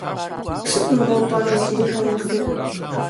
Сыт мыгъуэу пӏэрэ иджыри къеузыр?